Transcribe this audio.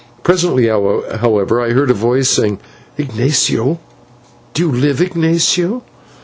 Presently, however, I heard his voice, saying, "Ignatio; do you live, Ignatio?"